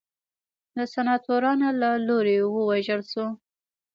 د سناتورانو له لوري ووژل شو.